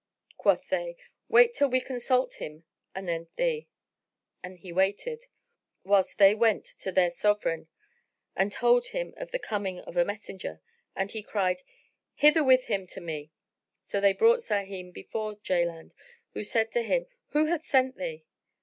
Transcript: [FN#21] Quoth they, "Wait till we consult him anent thee;" and he waited, whilst they went in to their Sovran and told him of the coming of a messenger, and he cried, "Hither with him to me!" So they brought Sahim before Jaland, who said to him, "Who hath sent thee?"